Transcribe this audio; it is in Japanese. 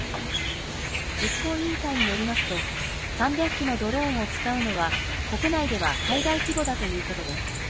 実行委員会によりますと、３００機のドローンを使うのは、国内では最大規模だということです。